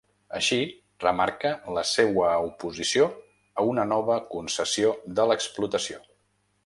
Així, remarca la seua oposició a una nova concessió de l’explotació.